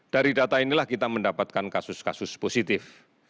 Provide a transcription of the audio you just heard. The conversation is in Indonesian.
dari data inilah kita mendapatkan kasus kasus positif